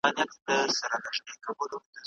ما پرون د سبا لپاره د هنرونو تمرين وکړ.